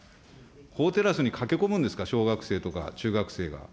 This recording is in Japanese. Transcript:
法テラスに駆け込むんですか、小学生とか中学生が。